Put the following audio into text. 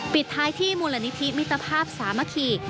ปิดท้ายที่มูลนิธิมิตรภาพสามัคคี